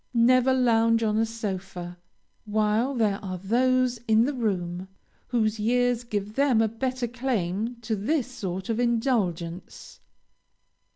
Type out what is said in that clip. Never lounge on a sofa, while there are those in the room, whose years give them a better claim to this sort of indulgence.